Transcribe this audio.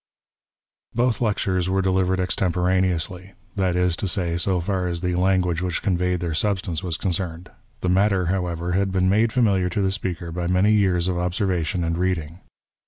/ Both lectures were delivered extemporaneously ; that is to say, so far as the language which conveyed their substance was concerned. The matter, however, had been made famihar to the speaker by many years of observation and reading.